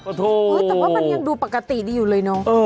แต่ว่ามันยังดูปกติดีอยู่เลยเนอะ